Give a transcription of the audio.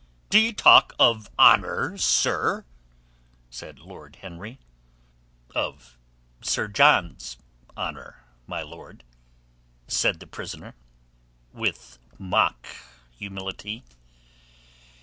"D'ye talk of honour, sir?" said Lord Henry. "Of Sir John's honour, my lord," said the prisoner, with mock humility.